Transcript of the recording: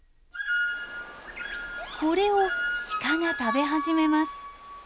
これをシカが食べ始めます。